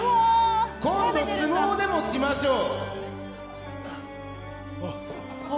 今度、相撲でもしましょう！